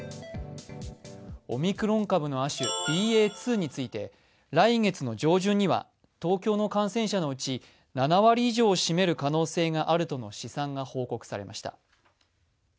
オミクロン株の亜種、ＢＡ．２について来月の上旬には東京の感染者のうち７割以上を占める可能性があるとの試算が報告されました。